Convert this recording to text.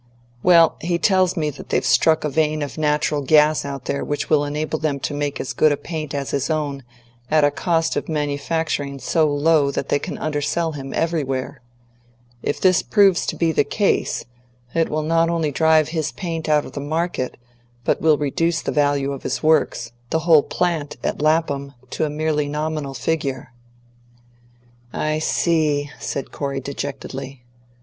"Well, he tells me that they've struck a vein of natural gas out there which will enable them to make as good a paint as his own at a cost of manufacturing so low that they can undersell him everywhere. If this proves to be the case, it will not only drive his paint out of the market, but will reduce the value of his Works the whole plant at Lapham to a merely nominal figure." "I see," said Corey dejectedly.